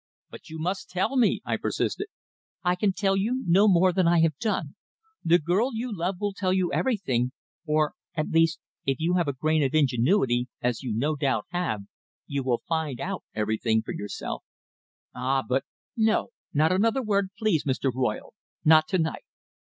"But you must tell me," I persisted. "I can tell you no more than I have done. The girl you love will tell you everything, or at least, if you have a grain of ingenuity, as you no doubt have you will find out everything for yourself." "Ah! but " "No, not another word, please, Mr. Royle not to night.